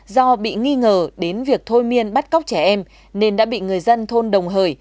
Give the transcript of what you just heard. do bị nghi ngờ đến việc thôi miên bắt cóc trẻ em nên đã bị người dân thôn đồng hời